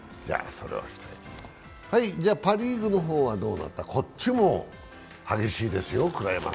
パ・リーグの方はどうなった、こっちもクライマックスは激しいですよ。